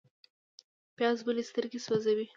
پیاز ولې سترګې سوځوي؟